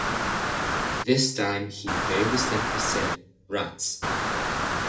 This time he very distinctly said, "Rats!"